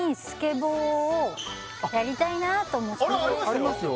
あらありますよ